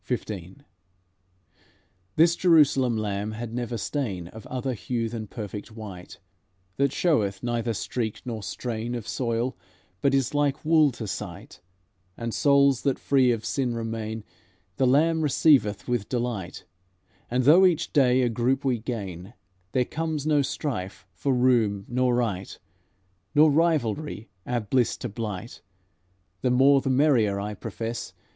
XV This Jerusalem Lamb had never stain Of other hue than perfect white, That showeth neither streak nor strain Of soil, but is like wool to sight; And souls that free of sin remain The Lamb receiveth with delight; And, though each day a group we gain, There comes no strife for room nor right, Nor rivalry our bliss to blight. The more the merrier, I profess.